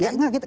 ya enggak gitu